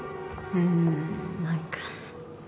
うん。何か。